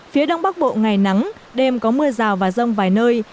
phía đông bắc bộ ngày nắng đêm có mưa rào và rông vài nơi